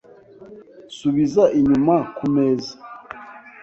Subiza inyuma kumeza .